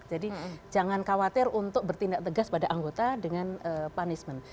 jadi jangan khawatir untuk bertindak tegas pada anggota dengan punishment